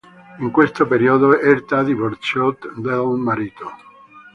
In questo periodo Herta divorziò dal marito.